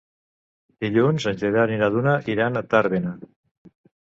Dilluns en Gerard i na Duna iran a Tàrbena.